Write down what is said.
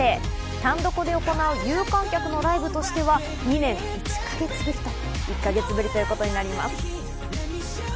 単独で行う有観客のライブとしては、２年１か月ぶりということになります。